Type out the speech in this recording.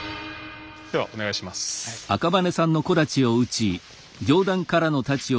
ではお願いします。